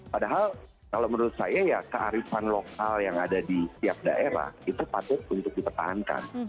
padahal kalau menurut saya ya kearifan lokal yang ada di setiap daerah itu patut untuk dipertahankan